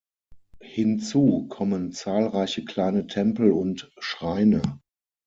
Hinzu kommen zahlreiche kleine Tempel und Schreine.